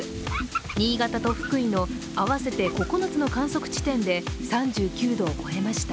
新潟と福井の合わせて９つの観測地点で３９度を超えました。